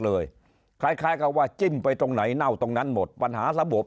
เลยคล้ายคล้ายกับว่าจิ้มไปตรงไหนเน่าตรงนั้นหมดปัญหาระบบ